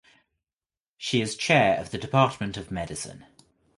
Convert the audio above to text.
She is chair of the department of medicine.